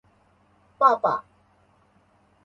爸爸